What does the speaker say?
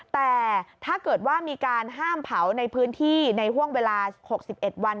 แต่ถ้าเกิดว่ามีการห้ามเผาในพื้นที่ในห่วงเวลา๖๑วัน